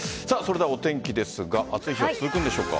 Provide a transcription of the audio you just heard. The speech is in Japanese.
お天気ですが暑い日が続くんでしょうか。